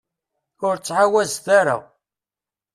Ur ttɛawazet ara.